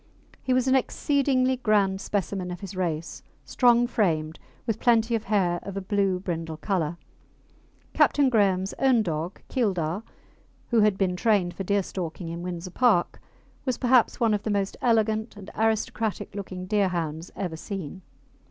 He was an exceedingly grand specimen of his race, strong framed, with plenty of hair of a blue brindle colour. Captain Graham's own dog Keildar, who had been trained for deerstalking in Windsor Park, was perhaps one of the most elegant and aristocratic looking Deerhounds ever seen.